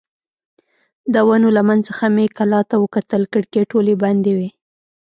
د ونو له منځ څخه مې کلا ته وکتل، کړکۍ ټولې بندې وې.